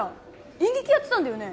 演劇やってたんだよね？